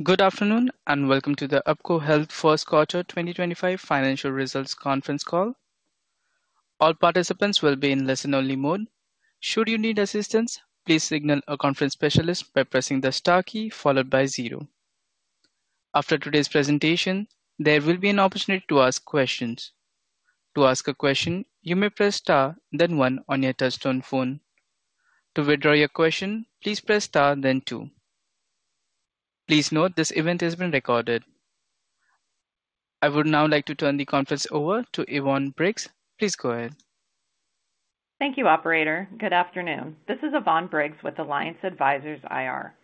Good afternoon, and welcome to the OPKO Health First Quarter 2025 Financial Results Conference Call. All participants will be in listen-only mode. Should you need assistance, please signal a conference specialist by pressing the star key followed by zero. After today's presentation, there will be an opportunity to ask questions. To ask a question, you may press star, then one on your touchstone phone. To withdraw your question, please press star, then two. Please note this event has been recorded. I would now like to turn the conference over to Yvonne Briggs. Please go ahead. Thank you, Operator. Good afternoon. This is Yvonne Briggs with Alliance Advisors IR.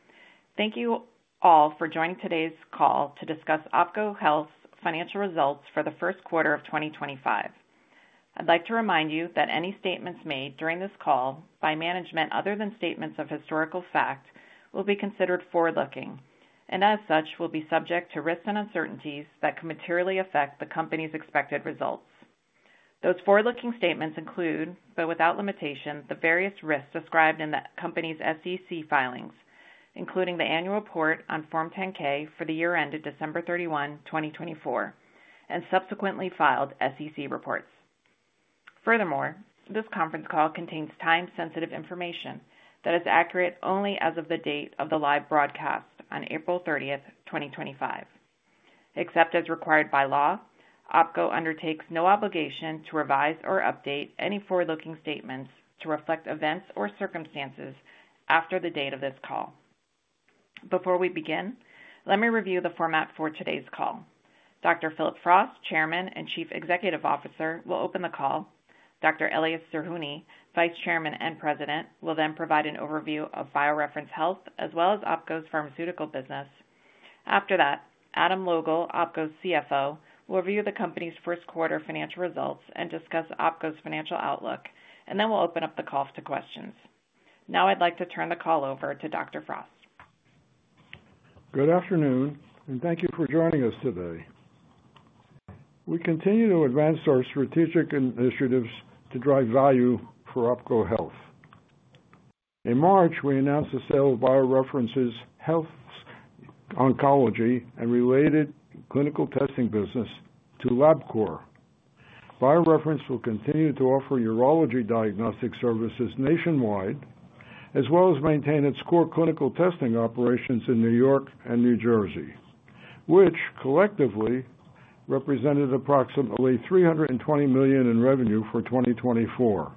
Thank you all for joining today's call to discuss OPKO Health's financial results for the first quarter of 2025. I'd like to remind you that any statements made during this call by management other than statements of historical fact will be considered forward-looking and, as such, will be subject to risks and uncertainties that can materially affect the company's expected results. Those forward-looking statements include, but without limitation, the various risks described in the company's SEC filings, including the annual report on Form 10-K for the year ended December 31, 2024, and subsequently filed SEC reports. Furthermore, this conference call contains time-sensitive information that is accurate only as of the date of the live broadcast on April 30th, 2025. Except as required by law, OPKO undertakes no obligation to revise or update any forward-looking statements to reflect events or circumstances after the date of this call. Before we begin, let me review the format for today's call. Dr. Phillip Frost, Chairman and Chief Executive Officer, will open the call. Dr. Elias Zerhouni, Vice Chairman and President, will then provide an overview of BioReference Health as well as OPKO's pharmaceutical business. After that, Adam Logal, OPKO's CFO, will review the company's first quarter financial results and discuss OPKO's financial outlook, and then we'll open up the call to questions. Now I'd like to turn the call over to Dr. Frost. Good afternoon, and thank you for joining us today. We continue to advance our strategic initiatives to drive value for OPKO Health. In March, we announced the sale of BioReference Health's oncology and related clinical testing business to LabCorp. BioReference Health will continue to offer urology diagnostic services nationwide, as well as maintain its core clinical testing operations in New York and New Jersey, which collectively represented approximately $320 million in revenue for 2024.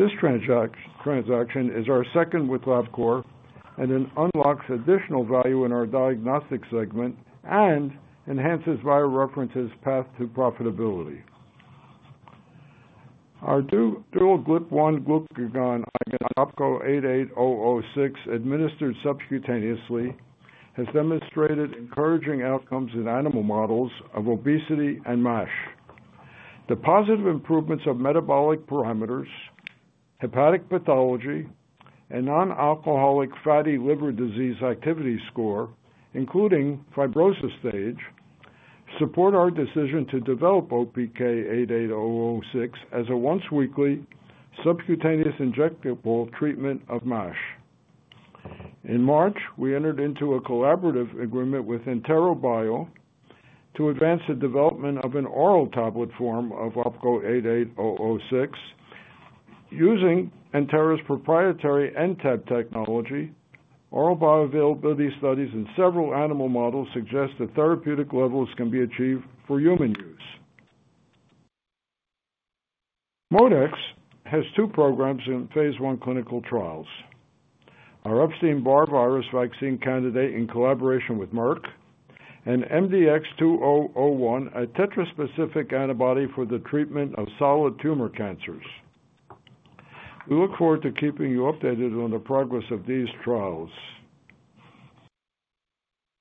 This transaction is our second with LabCorp and unlocks additional value in our diagnostic segment and enhances BioReference Health's path to profitability. Our dual GLP-1 glucagon, OPK-88006, administered subcutaneously, has demonstrated encouraging outcomes in animal models of obesity and MASH. The positive improvements of metabolic parameters, hepatic pathology, and non-alcoholic fatty liver disease activity score, including fibrosis stage, support our decision to develop OPK-88006 as a once-weekly subcutaneous injectable treatment of MASH. In March, we entered into a collaborative agreement with EnteraBio to advance the development of an oral tablet form of OPK-88006. Using Entera's proprietary NTEP technology, oral bioavailability studies in several animal models suggest that therapeutic levels can be achieved for human use. MoDEx has two programs in phase I clinical trials: our Epstein-Barr virus vaccine candidate in collaboration with Merck, and MDX-2001, a tetra-specific antibody for the treatment of solid tumor cancers. We look forward to keeping you updated on the progress of these trials.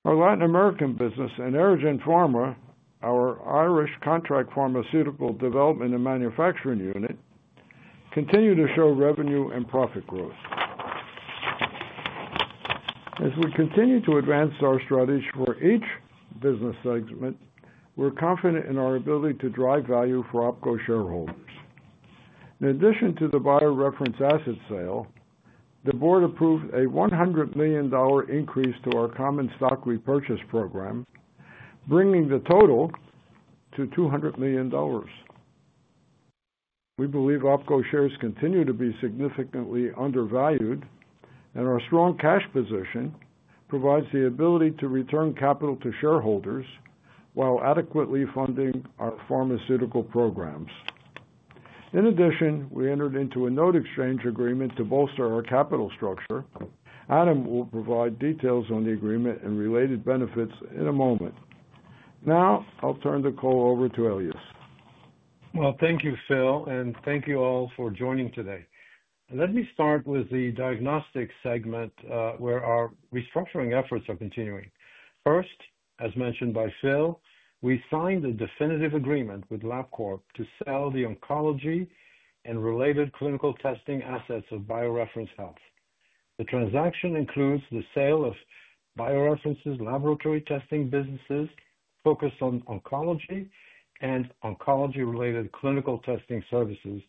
Our Latin American business and Arrigen Pharma, our Irish contract pharmaceutical development and manufacturing unit, continue to show revenue and profit growth. As we continue to advance our strategies for each business segment, we're confident in our ability to drive value for OPKO shareholders. In addition to the BioReference asset sale, the board approved a $100 million increase to our common stock repurchase program, bringing the total to $200 million. We believe OPKO shares continue to be significantly undervalued, and our strong cash position provides the ability to return capital to shareholders while adequately funding our pharmaceutical programs. In addition, we entered into a note exchange agreement to bolster our capital structure. Adam will provide details on the agreement and related benefits in a moment. Now I'll turn the call over to Elias. Thank you, Phil, and thank you all for joining today. Let me start with the diagnostic segment where our restructuring efforts are continuing. First, as mentioned by Phil, we signed a definitive agreement with LabCorp to sell the oncology and related clinical testing assets of BioReference Health. The transaction includes the sale of BioReference's laboratory testing businesses focused on oncology and oncology-related clinical testing services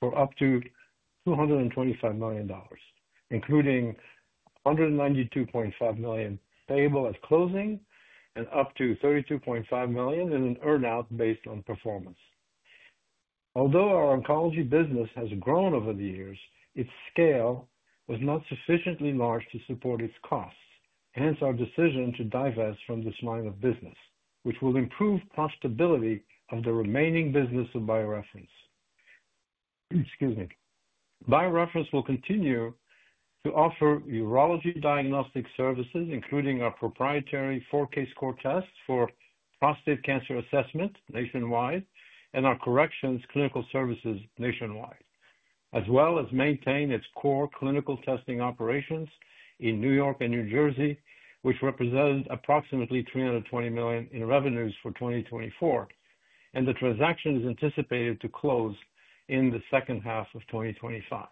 for up to $225 million, including $192.5 million payable at closing and up to $32.5 million in an earnout based on performance. Although our oncology business has grown over the years, its scale was not sufficiently large to support its costs. Hence, our decision to divest from this line of business, which will improve profitability of the remaining business of BioReference. Excuse me. BioReference Health will continue to offer urology diagnostic services, including our proprietary 4Kscore Test for prostate cancer assessment nationwide and our corrections clinical services nationwide, as well as maintain its core clinical testing operations in New York and New Jersey, which represented approximately $320 million in revenues for 2024. The transaction is anticipated to close in the second half of 2025.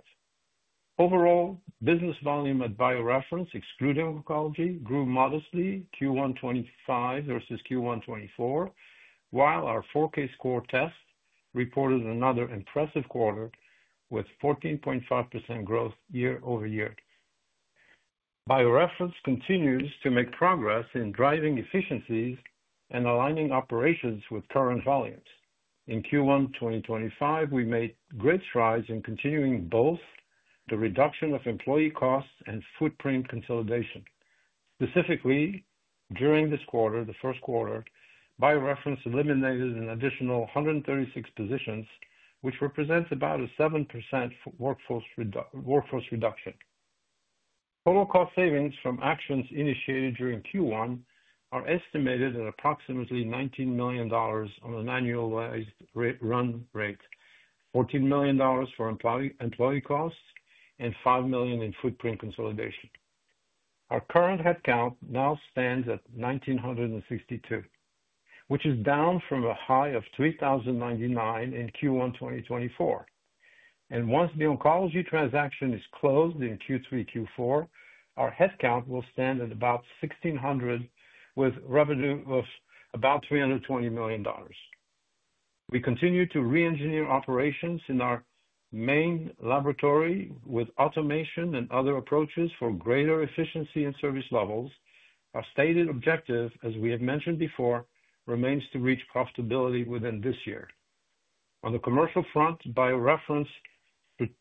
Overall, business volume at BioReference, excluding oncology, grew modestly, Q1 2025 versus Q1 2024, while our 4Kscore Test reported another impressive quarter with 14.5% growth year over year. BioReference Health continues to make progress in driving efficiencies and aligning operations with current volumes. In Q1 2025, we made great strides in continuing both the reduction of employee costs and footprint consolidation. Specifically, during this quarter, the first quarter, BioReference Health eliminated an additional 136 positions, which represents about a 7% workforce reduction. Total cost savings from actions initiated during Q1 are estimated at approximately $19 million on an annualized run rate, $14 million for employee costs, and $5 million in footprint consolidation. Our current headcount now stands at 1,962, which is down from a high of 3,099 in Q1 2024. Once the oncology transaction is closed in Q3-Q4, our headcount will stand at about 1,600 with revenue of about $320 million. We continue to re-engineer operations in our main laboratory with automation and other approaches for greater efficiency and service levels. Our stated objective, as we have mentioned before, remains to reach profitability within this year. On the commercial front, BioReference Health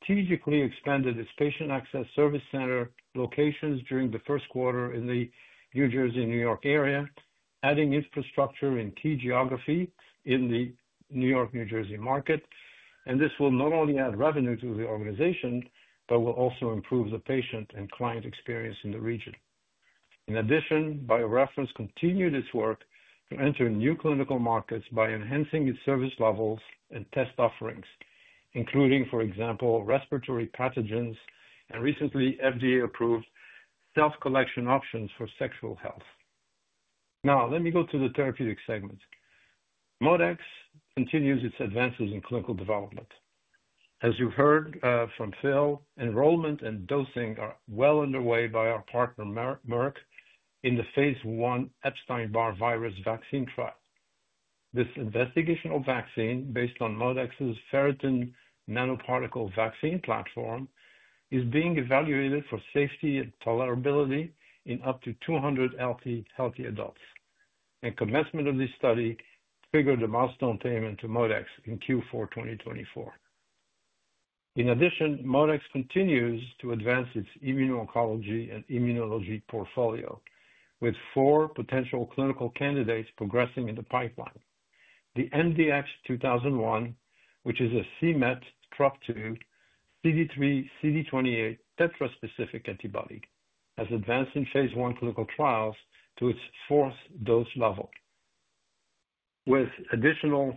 strategically expanded its patient access service center locations during the first quarter in the New Jersey-New York area, adding infrastructure in key geography in the New York-New Jersey market. This will not only add revenue to the organization but will also improve the patient and client experience in the region. In addition, BioReference Health continued its work to enter new clinical markets by enhancing its service levels and test offerings, including, for example, respiratory pathogens and recently FDA-approved self-collection options for sexual health. Now, let me go to the therapeutic segment. MoDEx continues its advances in clinical development. As you've heard from Phil, enrollment and dosing are well underway by our partner, Merck, in the phase I Epstein-Barr virus vaccine trial. This investigational vaccine, based on MoDEx's Ferritin Nanoparticle vaccine platform, is being evaluated for safety and tolerability in up to 200 healthy adults. Commencement of this study triggered a milestone payment to MoDEx in Q4 2024. In addition, MoDEx continues to advance its immuno-oncology and immunology portfolio, with four potential clinical candidates progressing in the pipeline. The MDX-2001, which is a cMET, TRP2, CD3, CD28 tetra-specific antibody, has advanced in phase I clinical trials to its fourth dose level, with additional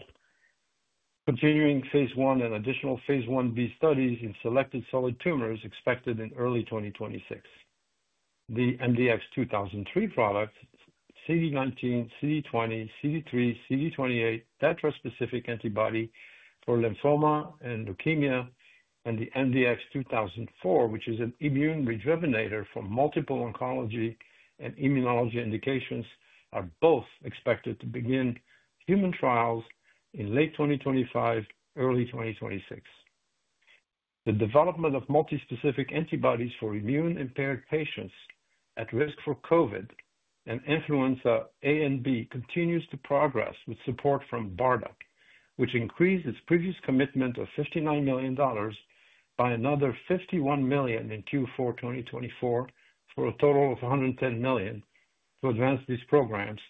continuing phase I and additional phase IB studies in selected solid tumors expected in early 2026. The MDX-2003 product, CD19, CD20, CD3, CD28 tetra-specific antibody for lymphoma and leukemia, and the MDX-2004, which is an immune rejuvenator for multiple oncology and immunology indications, are both expected to begin human trials in late 2025, early 2026. The development of multi-specific antibodies for immune-impaired patients at risk for COVID and influenza A and B continues to progress with support from BARDA, which increased its previous commitment of $59 million by another $51 million in Q4 2024 for a total of $110 million to advance these programs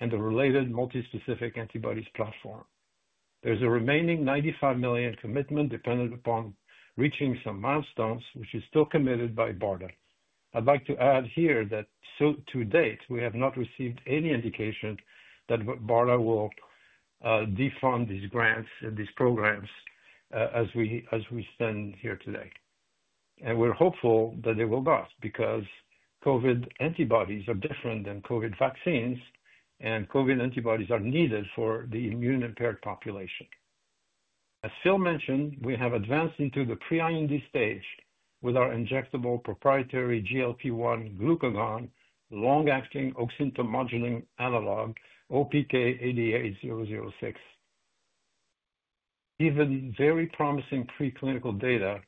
and the related multi-specific antibodies platform. There's a remaining $95 million commitment dependent upon reaching some milestones, which is still committed by BARDA. I'd like to add here that to date, we have not received any indication that BARDA will defund these grants and these programs as we stand here today. We are hopeful that they will not because COVID antibodies are different than COVID vaccines, and COVID antibodies are needed for the immune-impaired population. As Phil mentioned, we have advanced into the pre-IND stage with our injectable proprietary GLP-1 glucagon long-acting oxytocin modulating analog, OPK-88006. Even very promising preclinical data,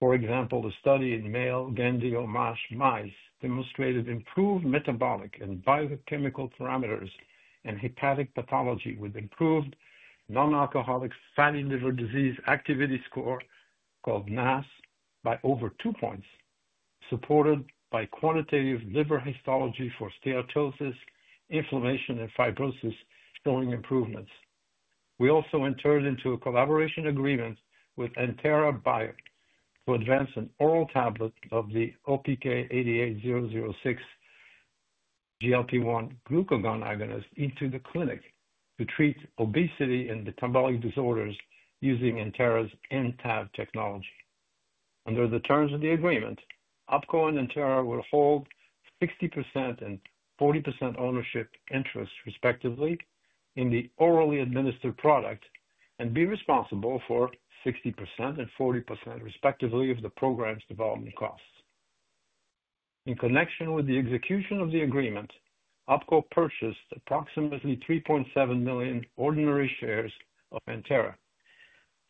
for example, the study in male Gandia MASH mice demonstrated improved metabolic and biochemical parameters and hepatic pathology with improved non-alcoholic fatty liver disease activity score called NAS by over two points, supported by quantitative liver histology for steatosis, inflammation, and fibrosis showing improvements. We also entered into a collaboration agreement with EnteraBio to advance an oral tablet of the OPK-88006 GLP-1 glucagon agonist into the clinic to treat obesity and metabolic disorders using Entera's NTEP technology. Under the terms of the agreement, OPKO and Entera will hold 60% and 40% ownership interests, respectively, in the orally administered product and be responsible for 60% and 40%, respectively, of the program's development costs. In connection with the execution of the agreement, OPKO purchased approximately $3.7 million ordinary shares of Entera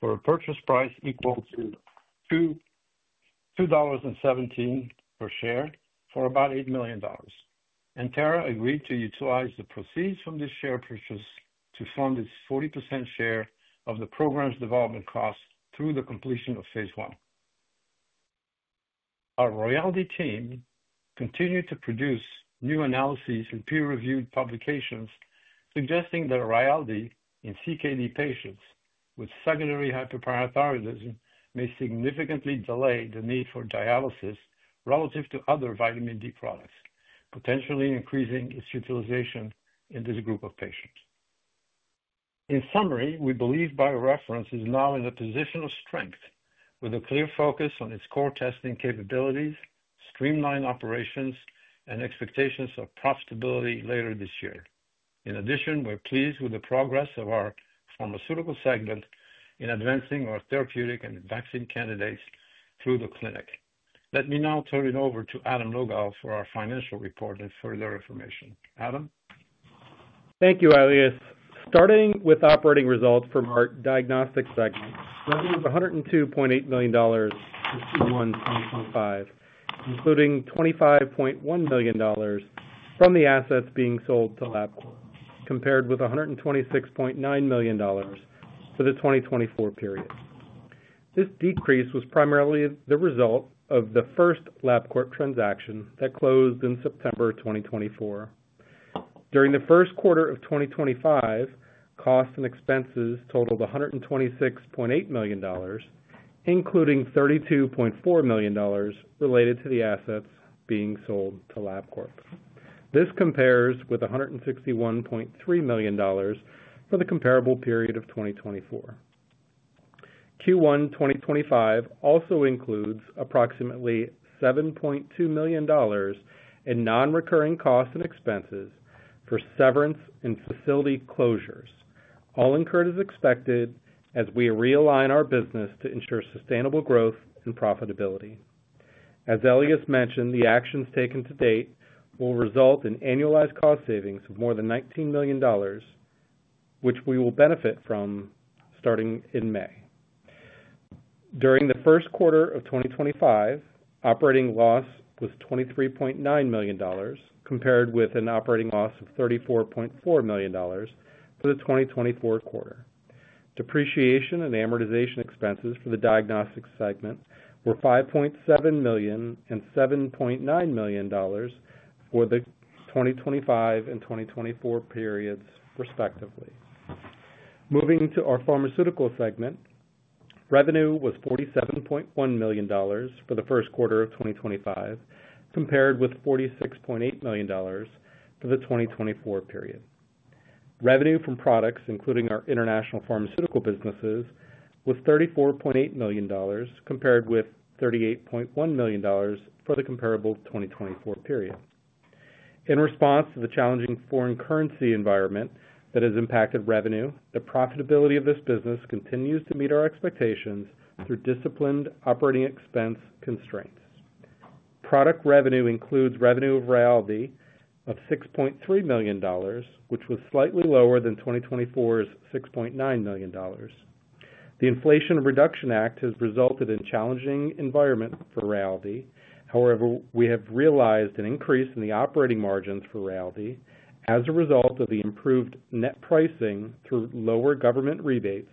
for a purchase price equal to $2.17 per share for about $8 million. Entera agreed to utilize the proceeds from this share purchase to fund its 40% share of the program's development costs through the completion of phase one. Our Rayaldee team continued to produce new analyses and peer-reviewed publications suggesting that Rayaldee in CKD patients with secondary hyperparathyroidism may significantly delay the need for dialysis relative to other vitamin D products, potentially increasing its utilization in this group of patients. In summary, we believe BioReference Health is now in a position of strength with a clear focus on its core testing capabilities, streamlined operations, and expectations of profitability later this year. In addition, we're pleased with the progress of our pharmaceutical segment in advancing our therapeutic and vaccine candidates through the clinic. Let me now turn it over to Adam Logal for our financial report and further information. Adam. Thank you, Elias. Starting with operating results from our diagnostic segment, revenue of $102.8 million in Q1 2025, including $25.1 million from the assets being sold to LabCorp, compared with $126.9 million for the 2024 period. This decrease was primarily the result of the first LabCorp transaction that closed in September 2024. During the first quarter of 2025, costs and expenses totaled $126.8 million, including $32.4 million related to the assets being sold to LabCorp. This compares with $161.3 million for the comparable period of 2024. Q1 2025 also includes approximately $7.2 million in non-recurring costs and expenses for severance and facility closures, all incurred as expected as we realign our business to ensure sustainable growth and profitability. As Elias mentioned, the actions taken to date will result in annualized cost savings of more than $19 million, which we will benefit from starting in May. During the first quarter of 2025, operating loss was $23.9 million, compared with an operating loss of $34.4 million for the 2024 quarter. Depreciation and amortization expenses for the diagnostic segment were $5.7 million and $7.9 million for the 2025 and 2024 periods, respectively. Moving to our pharmaceutical segment, revenue was $47.1 million for the first quarter of 2025, compared with $46.8 million for the 2024 period. Revenue from products, including our international pharmaceutical businesses, was $34.8 million, compared with $38.1 million for the comparable 2024 period. In response to the challenging foreign currency environment that has impacted revenue, the profitability of this business continues to meet our expectations through disciplined operating expense constraints. Product revenue includes revenue of royalty of $6.3 million, which was slightly lower than 2024's $6.9 million. The Inflation Reduction Act has resulted in a challenging environment for royalty. However, we have realized an increase in the operating margins for ROYALTY as a result of the improved net pricing through lower government rebates,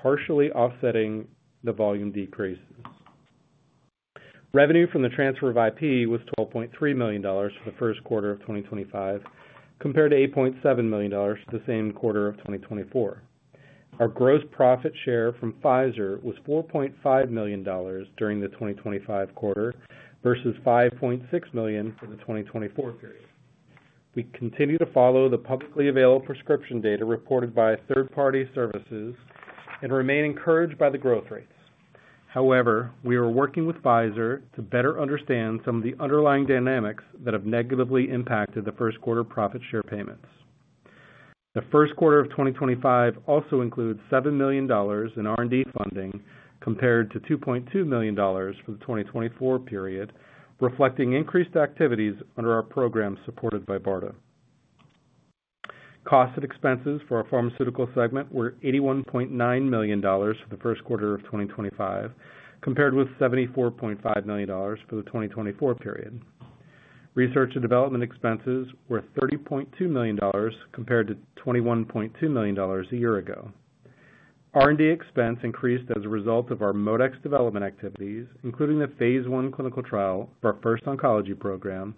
partially offsetting the volume decreases. Revenue from the transfer of IP was $12.3 million for the first quarter of 2025, compared to $8.7 million for the same quarter of 2024. Our gross profit share from Pfizer was $4.5 million during the 2025 quarter versus $5.6 million for the 2024 period. We continue to follow the publicly available prescription data reported by third-party services and remain encouraged by the growth rates. However, we are working with Pfizer to better understand some of the underlying dynamics that have negatively impacted the first quarter profit share payments. The first quarter of 2025 also includes $7 million in R&D funding compared to $2.2 million for the 2024 period, reflecting increased activities under our program supported by BARDA. Costs and expenses for our pharmaceutical segment were $81.9 million for the first quarter of 2025, compared with $74.5 million for the 2024 period. Research and development expenses were $30.2 million compared to $21.2 million a year ago. R&D expense increased as a result of our MoDEx development activities, including the phase one clinical trial for our first oncology program,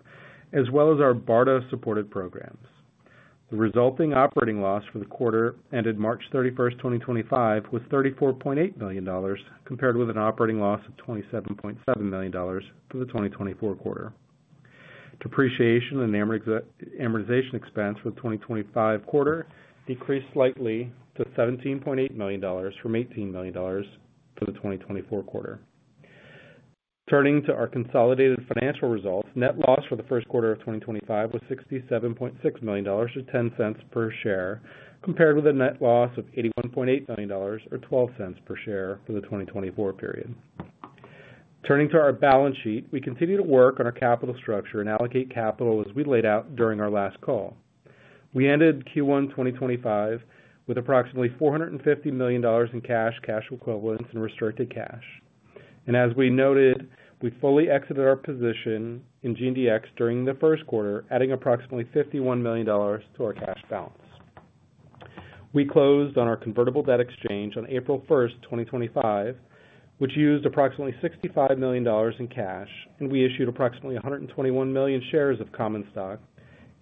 as well as our BARDA-supported programs. The resulting operating loss for the quarter ended March 31, 2025, was $34.8 million, compared with an operating loss of $27.7 million for the 2024 quarter. Depreciation and amortization expense for the 2025 quarter decreased slightly to $17.8 million from $18 million for the 2024 quarter. Turning to our consolidated financial results, net loss for the first quarter of 2025 was $67.6 million or $0.10 per share, compared with a net loss of $81.8 million or $0.12 per share for the 2024 period. Turning to our balance sheet, we continue to work on our capital structure and allocate capital as we laid out during our last call. We ended Q1 2025 with approximately $450 million in cash, cash equivalents, and restricted cash. As we noted, we fully exited our position in GDX during the first quarter, adding approximately $51 million to our cash balance. We closed on our convertible debt exchange on April 1, 2025, which used approximately $65 million in cash, and we issued approximately 121 million shares of common stock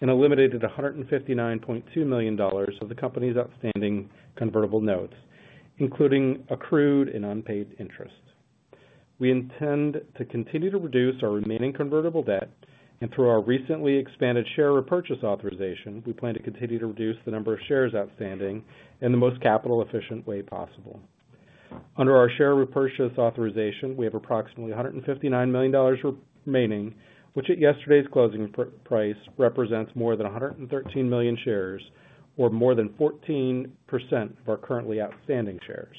and eliminated $159.2 million of the company's outstanding convertible notes, including accrued and unpaid interest. We intend to continue to reduce our remaining convertible debt, and through our recently expanded share repurchase authorization, we plan to continue to reduce the number of shares outstanding in the most capital-efficient way possible. Under our share repurchase authorization, we have approximately $159 million remaining, which at yesterday's closing price represents more than 113 million shares, or more than 14% of our currently outstanding shares.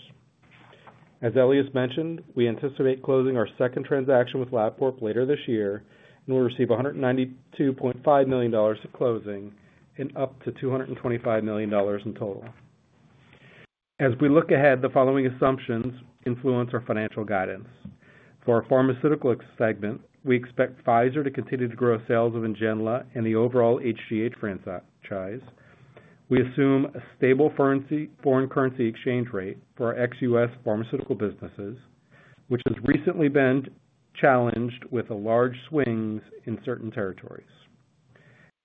As Elias mentioned, we anticipate closing our second transaction with LabCorp later this year, and we'll receive $192.5 million at closing and up to $225 million in total. As we look ahead, the following assumptions influence our financial guidance. For our pharmaceutical segment, we expect Pfizer to continue to grow sales of Ngenla and the overall HGH franchise. We assume a stable foreign currency exchange rate for our ex-U.S. pharmaceutical businesses, which has recently been challenged with large swings in certain territories.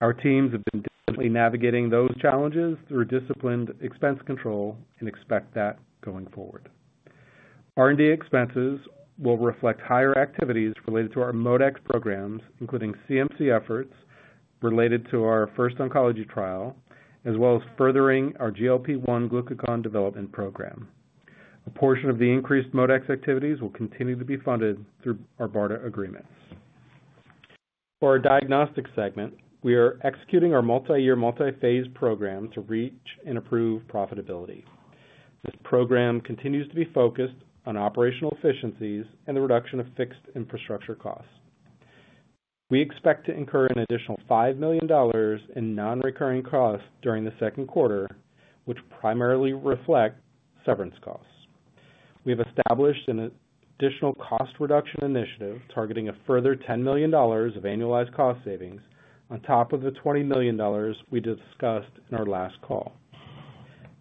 Our teams have been diligently navigating those challenges through disciplined expense control and expect that going forward. R&D expenses will reflect higher activities related to our MoDEx programs, including CMC efforts related to our first oncology trial, as well as furthering our GLP-1 glucagon development program. A portion of the increased MoDEx activities will continue to be funded through our BARDA agreements. For our diagnostic segment, we are executing our multi-year, multi-phase program to reach and improve profitability. This program continues to be focused on operational efficiencies and the reduction of fixed infrastructure costs. We expect to incur an additional $5 million in non-recurring costs during the second quarter, which primarily reflect severance costs. We have established an additional cost reduction initiative targeting a further $10 million of annualized cost savings on top of the $20 million we discussed in our last call.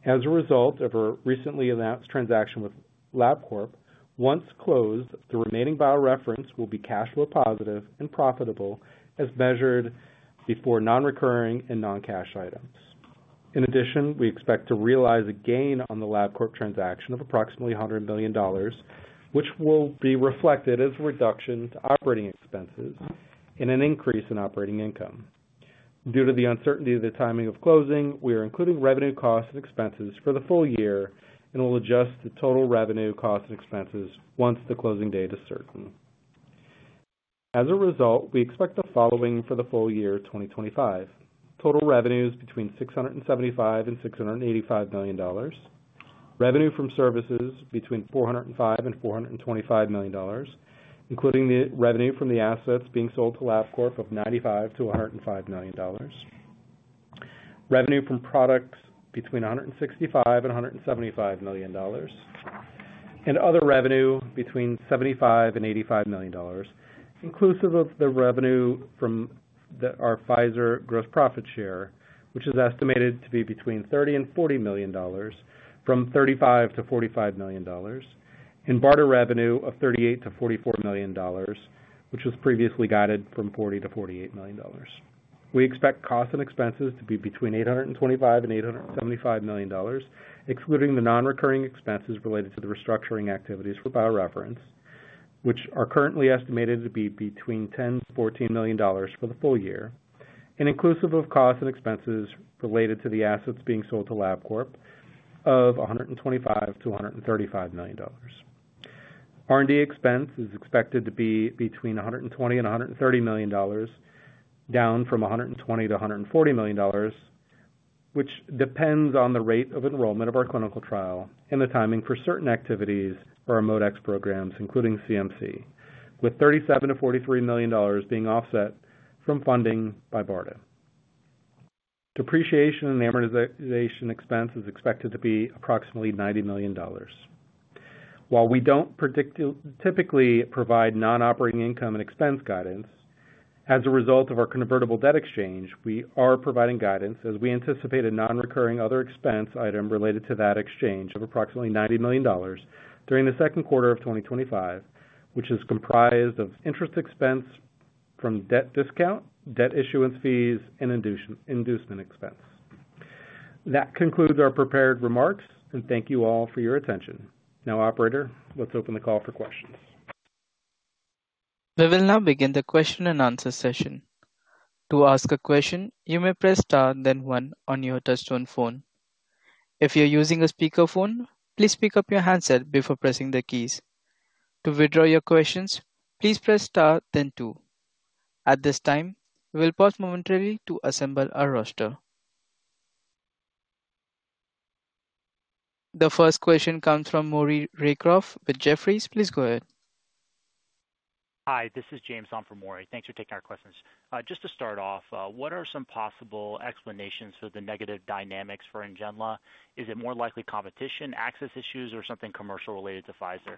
As a result of our recently announced transaction with LabCorp, once closed, the remaining BioReference Health will be cash flow positive and profitable as measured before non-recurring and non-cash items. In addition, we expect to realize a gain on the LabCorp transaction of approximately $100 million, which will be reflected as a reduction to operating expenses and an increase in operating income. Due to the uncertainty of the timing of closing, we are including revenue costs and expenses for the full year and will adjust the total revenue costs and expenses once the closing date is certain. As a result, we expect the following for the full year 2025: total revenues between $675 million and $685 million, revenue from services between $405 million and $425 million, including the revenue from the assets being sold to LabCorp of $95 million-$105 million, revenue from products between $165 million and $175 million, and other revenue between $75 million and $85 million, inclusive of the revenue from our Pfizer gross profit share, which is estimated to be between $30 million and $40 million, from $35 million-$45 million, and BARDA revenue of $38 million-$44 million, which was previously guided from $40 million-$48 million. We expect costs and expenses to be between $825 million and $875 million, excluding the non-recurring expenses related to the restructuring activities for BioReference, which are currently estimated to be between $10 million-$14 million for the full year, and inclusive of costs and expenses related to the assets being sold to LabCorp of $125 million-$135 million. R&D expense is expected to be between $120 million and $130 million, down from $120 million- $140 million, which depends on the rate of enrollment of our clinical trial and the timing for certain activities for our MoDEx programs, including CMC, with $37 million-$43 million being offset from funding by BARDA. Depreciation and amortization expense is expected to be approximately $90 million. While we don't typically provide non-operating income and expense guidance as a result of our convertible debt exchange, we are providing guidance as we anticipate a non-recurring other expense item related to that exchange of approximately $90 million during the second quarter of 2025, which is comprised of interest expense from debt discount, debt issuance fees, and inducement expense. That concludes our prepared remarks, and thank you all for your attention. Now, Operator, let's open the call for questions. We will now begin the question and answer session. To ask a question, you may press Star, then 1 on your touch-tone phone. If you're using a speakerphone, please pick up your handset before pressing the keys. To withdraw your question, please press Star, then 2. At this time, we will pause momentarily to assemble our roster. The first question comes from Maury Raycroft with Jefferies. Please go ahead. Hi, this is James on for Maury. Thanks for taking our questions. Just to start off, what are some possible explanations for the negative dynamics for Ngenla? Is it more likely competition, access issues, or something commercial related to Pfizer?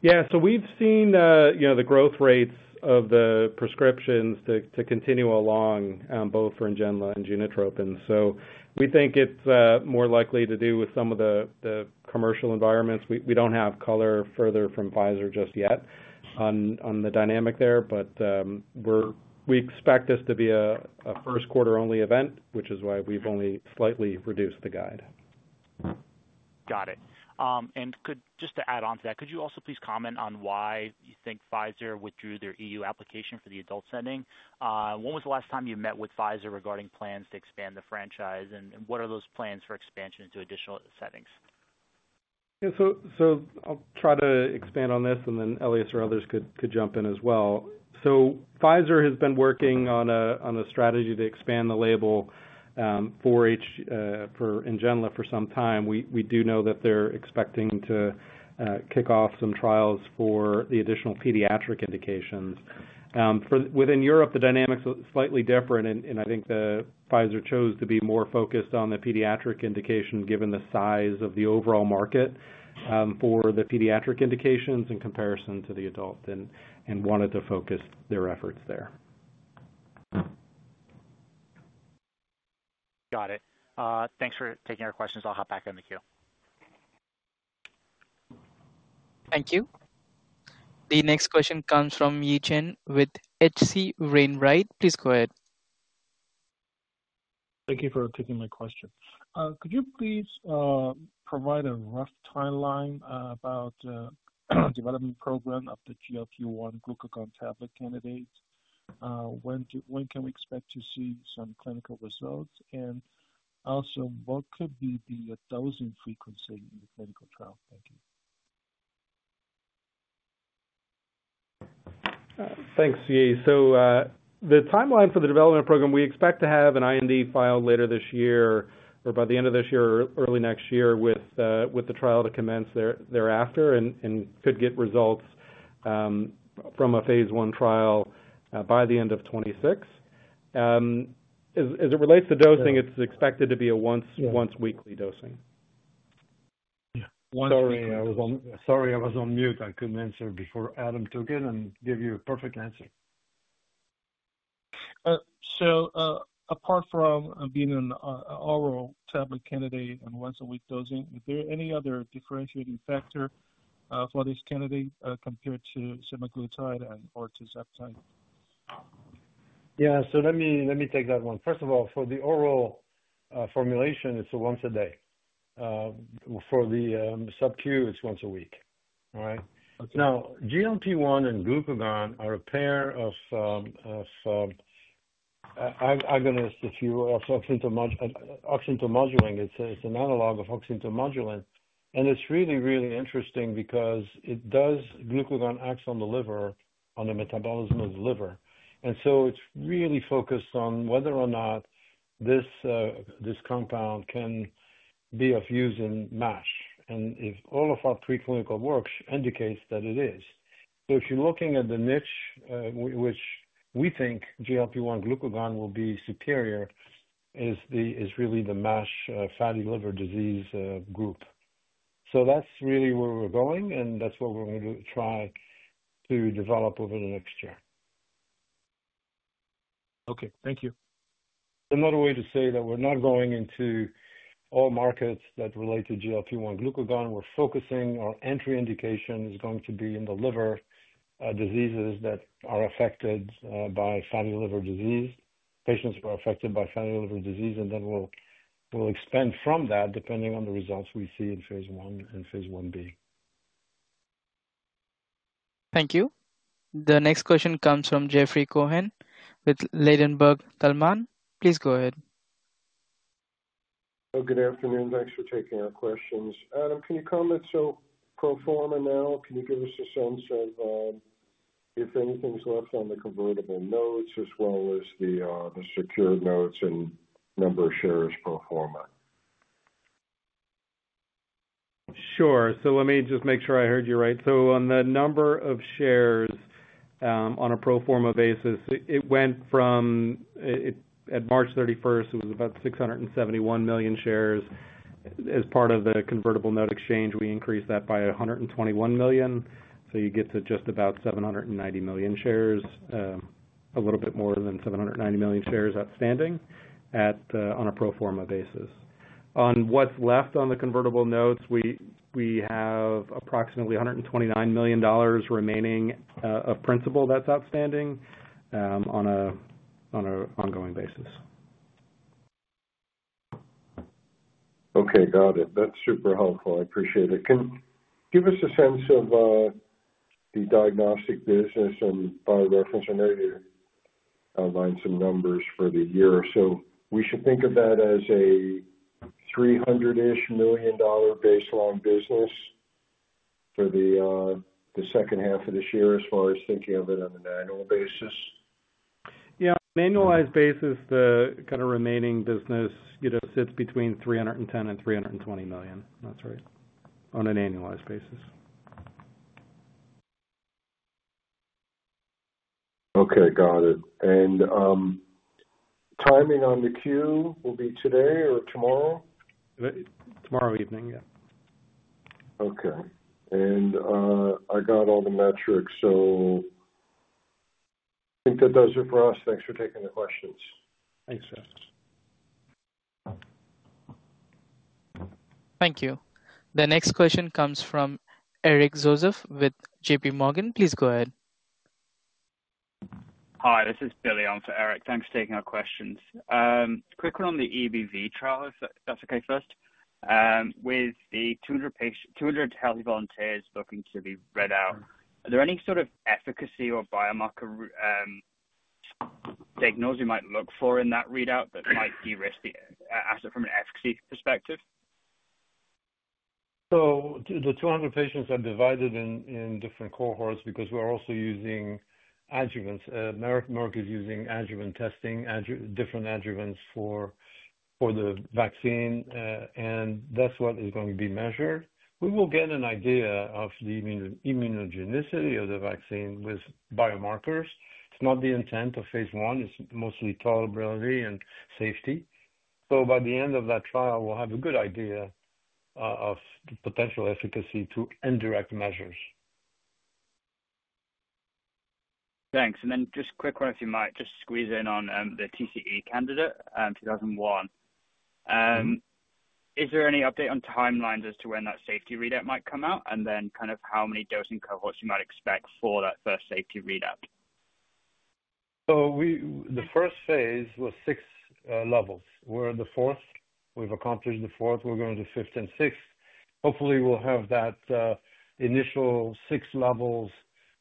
Yeah, so we've seen the growth rates of the prescriptions to continue along, both for Ngenla and Genotropin. So we think it's more likely to do with some of the commercial environments. We don't have color further from Pfizer just yet on the dynamic there, but we expect this to be a first quarter-only event, which is why we've only slightly reduced the guide. Got it. Just to add on to that, could you also please comment on why you think Pfizer withdrew their EU application for the adult setting? When was the last time you met with Pfizer regarding plans to expand the franchise, and what are those plans for expansion into additional settings? Yeah, I'll try to expand on this, and then Elias or others could jump in as well. Pfizer has been working on a strategy to expand the label for Ngenla for some time. We do know that they're expecting to kick off some trials for the additional pediatric indications. Within Europe, the dynamics are slightly different, and I think Pfizer chose to be more focused on the pediatric indication given the size of the overall market for the pediatric indications in comparison to the adult and wanted to focus their efforts there. Got it. Thanks for taking our questions. I'll hop back in the queue. Thank you. The next question comes from Yi Chen with H.C. Wainwright. Please go ahead. Thank you for taking my question. Could you please provide a rough timeline about the development program of the GLP-1 glucagon tablet candidates? When can we expect to see some clinical results? Also, what could be the dosing frequency in the clinical trial? Thank you. Thanks, Yi. The timeline for the development program, we expect to have an IND filed later this year or by the end of this year or early next year with the trial to commence thereafter and could get results from a phase one trial by the end of 2026. As it relates to dosing, it's expected to be a once-weekly dosing. Sorry, I was on mute. I couldn't answer before Adam took it and gave you a perfect answer. Apart from being an oral tablet candidate and once-a-week dosing, is there any other differentiating factor for this candidate compared to semaglutide or tirzepatide? Yeah, so let me take that one. First of all, for the oral formulation, it's a once-a-day. For the subQ, it's once a week, all right? Now, GLP-1 and glucagon are a pair of—I'm going to ask you a question too much—oxyntomodulin. It's an analog of oxycomodulin. And it's really, really interesting because glucagon acts on the liver, on the metabolism of the liver. It is really focused on whether or not this compound can be of use in MASH. All of our preclinical work indicates that it is. If you're looking at the niche, which we think GLP-1 glucagon will be superior, it is really the MASH fatty liver disease group. That is really where we're going, and that's what we're going to try to develop over the next year. Okay, thank you. Another way to say that we're not going into all markets that relate to GLP-1 glucagon. We're focusing our entry indication is going to be in the liver diseases that are affected by fatty liver disease, patients who are affected by fatty liver disease, and then we'll expand from that depending on the results we see in phase one and phase one B. Thank you. The next question comes from Jeffrey Cohen with Ladenburg Thalmann. Please go ahead. Good afternoon. Thanks for taking our questions. Adam, can you comment so pro forma now? Can you give us a sense of if anything's left on the convertible notes as well as the secure notes and number of shares pro forma? Sure. Let me just make sure I heard you right. On the number of shares on a pro forma basis, it went from—at March 31, it was about 671 million shares. As part of the convertible note exchange, we increased that by 121 million. You get to just about 790 million shares, a little bit more than 790 million shares outstanding on a pro forma basis. On what is left on the convertible notes, we have approximately $129 million remaining of principal that is outstanding on an ongoing basis. Okay, got it. That's super helpful. I appreciate it. Can you give us a sense of the diagnostic business and Bio-Reference? I know you outlined some numbers for the year. We should think of that as a $300'sh million baseline business for the second half of this year as far as thinking of it on an annual basis? Yeah, on an annualized basis, the kind of remaining business sits between $310 million and $320 million. That's right, on an annualized basis. Okay, got it. Timing on the queue will be today or tomorrow? Tomorrow evening, yeah. Okay. I got all the metrics. I think that does it for us. Thanks for taking the questions. Thanks, sir. Thank you. The next question comes from Eric Joseph with JP Morgan. Please go ahead. Hi, this is Billy on for Eric. Thanks for taking our questions. Quick one on the EBV trial, if that's okay first. With the 200 healthy volunteers looking to be read out, are there any sort of efficacy or biomarker signals we might look for in that readout that might de-risk the asset from an efficacy perspective? The 200 patients are divided in different cohorts because we're also using adjuvants. Merck is using adjuvant testing, different adjuvants for the vaccine, and that's what is going to be measured. We will get an idea of the immunogenicity of the vaccine with biomarkers. It's not the intent of phase one. It's mostly tolerability and safety. By the end of that trial, we'll have a good idea of the potential efficacy to indirect measures. Thanks. Just a quick one, if you might, just squeeze in on the TCE candidate, 2001. Is there any update on timelines as to when that safety readout might come out, and then kind of how many dosing cohorts you might expect for that first safety readout? The first phase was six levels. We're at the fourth. We've accomplished the fourth. We're going to fifth and sixth. Hopefully, we'll have that initial six levels,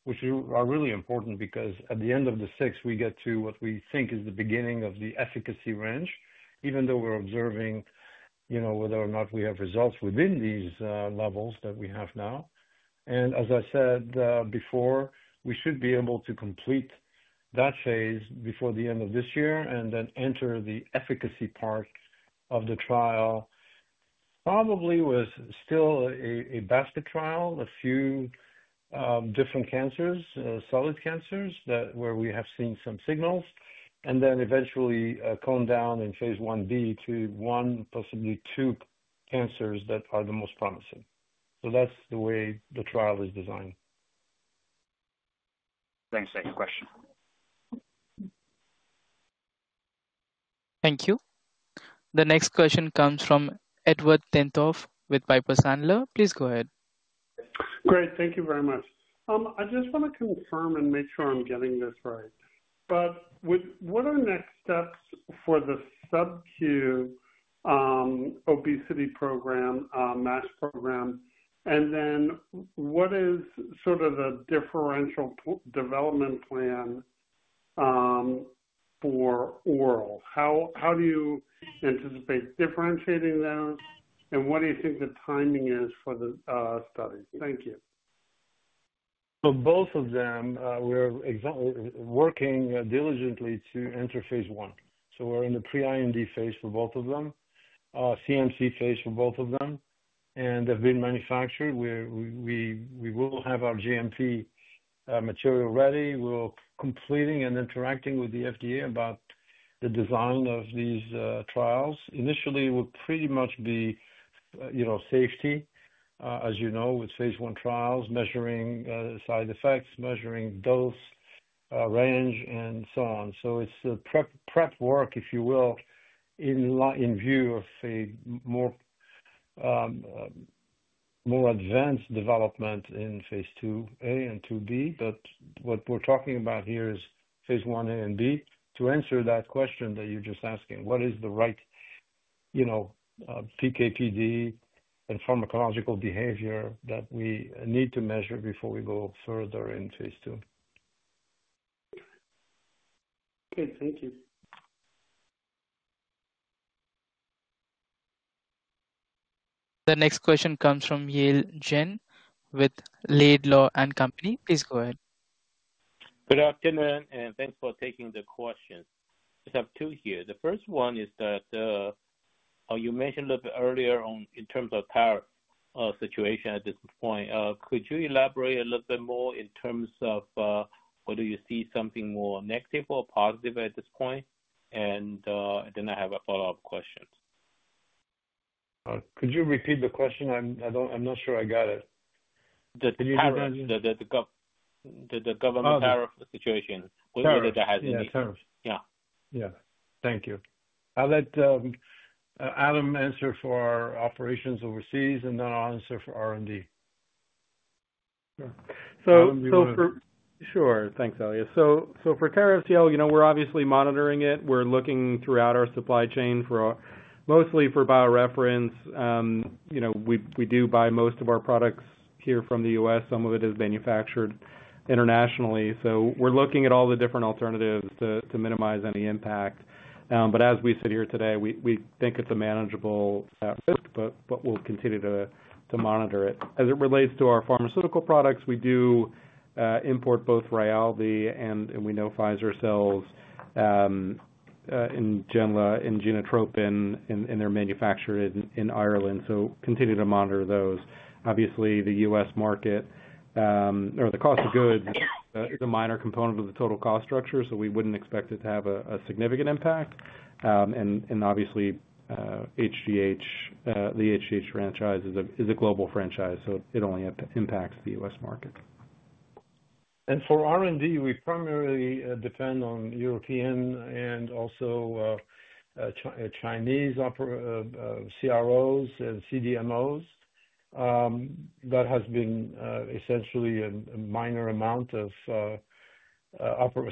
which are really important because at the end of the six, we get to what we think is the beginning of the efficacy range, even though we're observing whether or not we have results within these levels that we have now. As I said before, we should be able to complete that phase before the end of this year and then enter the efficacy part of the trial, probably with still a basket trial, a few different cancers, solid cancers where we have seen some signals, and then eventually calm down in phase one B to one, possibly two cancers that are the most promising. That's the way the trial is designed. Thanks. Thanks for the question. Thank you. The next question comes from Edward Tenthoff with Piper Sandler. Please go ahead. Great. Thank you very much. I just want to confirm and make sure I'm getting this right. What are next steps for the subQ obesity program, MASH program? What is sort of the differential development plan for oral? How do you anticipate differentiating those, and what do you think the timing is for the study? Thank you. For both of them, we're working diligently to enter phase one. We're in the pre-IND phase for both of them, CMC phase for both of them, and they've been manufactured. We will have our GMP material ready. We're completing and interacting with the FDA about the design of these trials. Initially, it will pretty much be safety, as you know, with phase one trials, measuring side effects, measuring dose range, and so on. It's prep work, if you will, in view of a more advanced development in phase two A and two B. What we're talking about here is phase one A and B. To answer that question that you're just asking, what is the right PKPD and pharmacological behavior that we need to measure before we go further in phase two? Okay, thank you. The next question comes from Yale Jen with Laidlaw & Company. Please go ahead. Good afternoon, and thanks for taking the question. I just have two here. The first one is that you mentioned a little bit earlier in terms of tariff situation at this point. Could you elaborate a little bit more in terms of whether you see something more negative or positive at this point? I have a follow-up question. Could you repeat the question? I'm not sure I got it. The government. The government tariff situation. Yeah, tariffs. Yeah. Yeah. Thank you. I'll let Adam answer for our operations overseas, and then I'll answer for R&D. Sure. Sure. Thanks, Elias. For tariffs, yeah, we're obviously monitoring it. We're looking throughout our supply chain mostly for BioReference. We do buy most of our products here from the US. Some of it is manufactured internationally. We're looking at all the different alternatives to minimize any impact. As we sit here today, we think it's a manageable risk, but we'll continue to monitor it. As it relates to our pharmaceutical products, we do import both Rayaldee, and we know Pfizer sells Ngenla and Genotropin, and they're manufactured in Ireland. We continue to monitor those. Obviously, the US market or the cost of goods is a minor component of the total cost structure, so we wouldn't expect it to have a significant impact. Obviously, the HGH franchise is a global franchise, so it only impacts the US market. For R&D, we primarily depend on European and also Chinese CROs and CDMOs. That has been essentially a minor amount of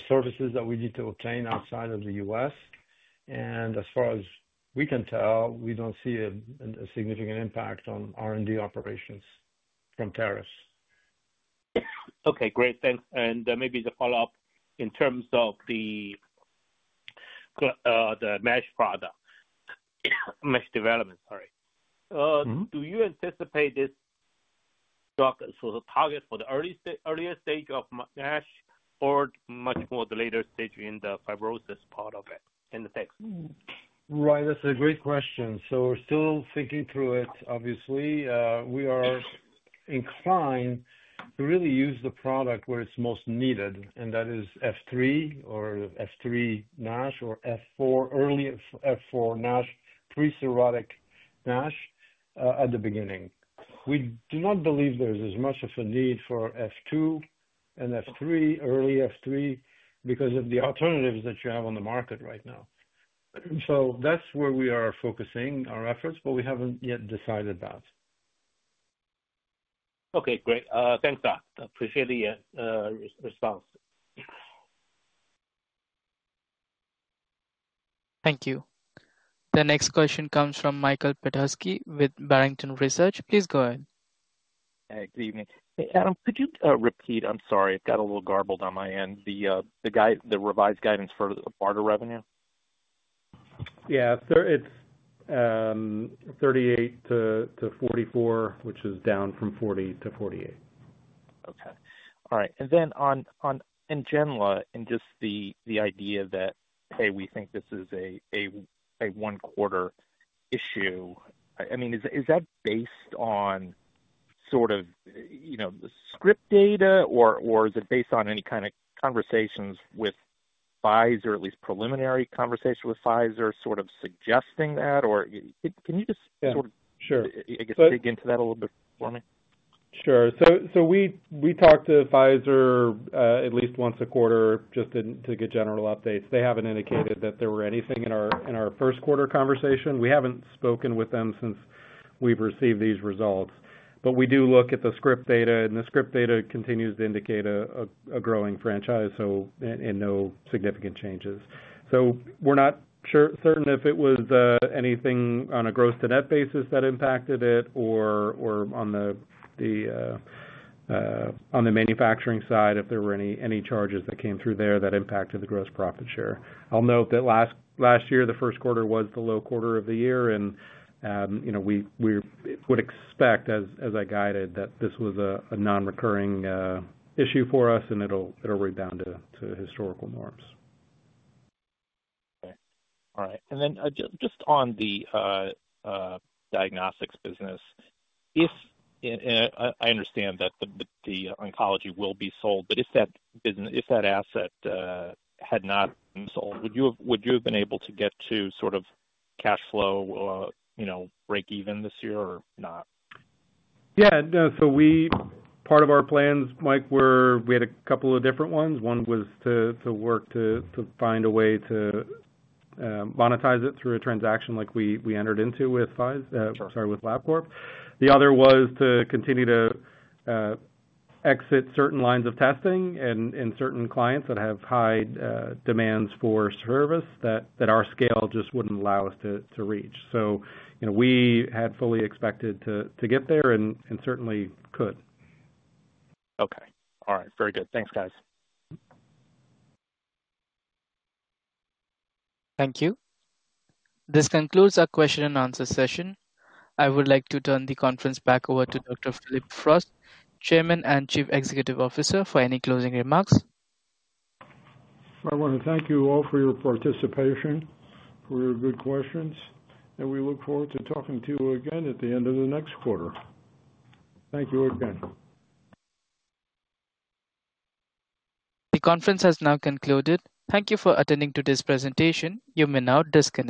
services that we need to obtain outside of the U.S. As far as we can tell, we do not see a significant impact on R&D operations from tariffs. Okay, great. Thanks. Maybe the follow-up in terms of the MASH product, MASH development, sorry. Do you anticipate this target for the earlier stage of MASH or much more the later stage in the fibrosis part of it in the text? Right. That's a great question. We are still thinking through it, obviously. We are inclined to really use the product where it's most needed, and that is F3 or F3 NASH or F4, early F4 NASH, pre-cirrhotic NASH at the beginning. We do not believe there's as much of a need for F2 and F3, early F3, because of the alternatives that you have on the market right now. That's where we are focusing our efforts, but we haven't yet decided that. Okay, great. Thanks, Doc. Appreciate the response. Thank you. The next question comes from Michael Petusky with Barrington Research. Please go ahead. Hey, good evening. Hey, Adam, could you repeat? I'm sorry. I got a little garbled on my end. The revised guidance for the BARDA revenue? Yeah, it's 38-44, which is down from 40-48. Okay. All right. On Ngenla and just the idea that, hey, we think this is a one-quarter issue, I mean, is that based on sort of script data, or is it based on any kind of conversations with Pfizer, at least preliminary conversation with Pfizer sort of suggesting that? Can you just sort of, I guess, dig into that a little bit for me? Sure. We talked to Pfizer at least once a quarter just to get general updates. They have not indicated that there were anything in our first quarter conversation. We have not spoken with them since we have received these results. We do look at the script data, and the script data continues to indicate a growing franchise and no significant changes. We are not certain if it was anything on a gross-to-net basis that impacted it or on the manufacturing side, if there were any charges that came through there that impacted the gross profit share. I will note that last year, the first quarter was the low quarter of the year, and we would expect, as I guided, that this was a non-recurring issue for us, and it will rebound to historical norms. Okay. All right. Just on the diagnostics business, I understand that the oncology will be sold, but if that asset had not been sold, would you have been able to get to sort of cash flow break-even this year or not? Yeah. No, part of our plans, Mike, we had a couple of different ones. One was to work to find a way to monetize it through a transaction like we entered into with LabCorp. The other was to continue to exit certain lines of testing in certain clients that have high demands for service that our scale just would not allow us to reach. We had fully expected to get there and certainly could. Okay. All right. Very good. Thanks, guys. Thank you. This concludes our question-and-answer session. I would like to turn the conference back over to Dr. Phillip Frost, Chairman and Chief Executive Officer, for any closing remarks. I want to thank you all for your participation, for your good questions, and we look forward to talking to you again at the end of the next quarter. Thank you again. The conference has now concluded. Thank you for attending today's presentation. You may now disconnect.